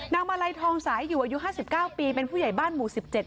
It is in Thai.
นางมาลัยทองสายอยู่อายุห้าสิบเก้าปีเป็นผู้ใหญ่บ้านหมู่สิบเจ็ด